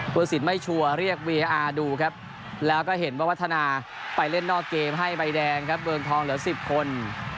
ผู้สินไม่ชัวร์เรียกวีอาร์ดูครับแล้วก็เห็นว่าวัฒนาไปเล่นนอกเกมให้ใบแดงครับเมืองทองเหลือ๑๐คน